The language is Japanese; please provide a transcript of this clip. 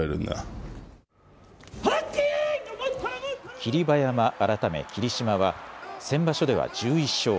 霧馬山改め霧島は先場所では１１勝。